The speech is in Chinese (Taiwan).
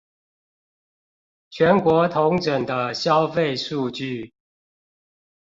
全國統整的消費數據